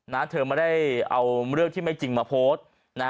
เธอไม่ได้เอาเรื่องที่ไม่จริงมาโพสต์นะฮะ